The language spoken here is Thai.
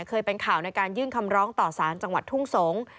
เคยเป็นข่าวในการยื่นคำร้องต่อสารจังหวัดทุ่งสงศ์